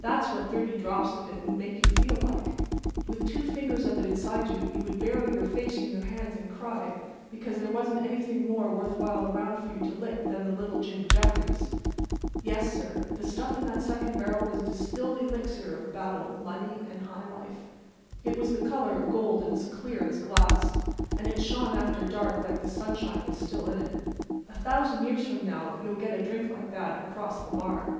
That's what thirty drops of it would make you feel like. With two fingers of it inside you you would bury your face in your hands and cry because there wasn't anything more worth while around for you to lick than little Jim Jeffries. Yes, sir, the stuff in that second barrel was distilled elixir of battle, money and high life. It was the color of gold and as clear as glass, and it shone after dark like the sunshine was still in it. A thousand years from now you'll get a drink like that across the bar.